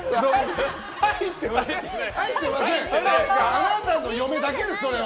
あなたの嫁だけです、それは。